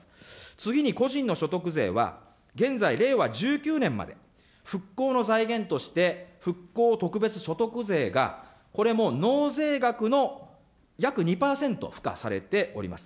次に個人の所得税は、現在令和１９年まで、復興の財源として復興特別所得税が、これも納税額の約２％付加されております。